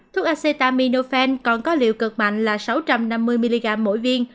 thuốc asetaminophen còn có liệu cực mạnh là sáu trăm năm mươi mg mỗi viên